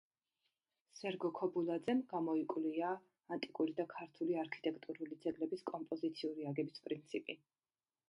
სერგო ქობულაძემ გამოიკვლია ანტიკური და ქართული არქიტექტურული ძეგლების კომპოზიციური აგების პრინციპი.